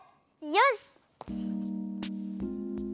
よし！